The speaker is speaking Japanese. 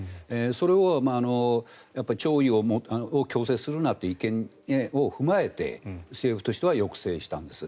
それを弔意を強制するなという意見を踏まえて政府としては抑制したんです。